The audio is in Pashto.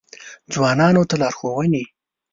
ځوانانو ته لارښوونې: